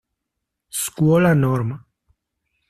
Scuola Norm.